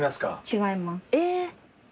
違います。